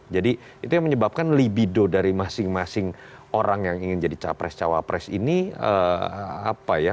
jadi itu yang menyebabkan libido dari masing masing orang yang ingin jadi capres cawapres ini apa ya